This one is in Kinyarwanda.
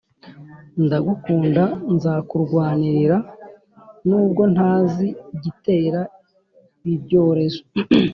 ndagukunda nzakurwanirira nubwo ntazi igitera ibibyorezo